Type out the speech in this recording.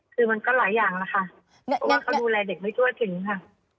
คือมันก็หลายอย่างแล้วค่ะเพราะว่าเขาดูแลเด็กไม่ทั่วถึงค่ะ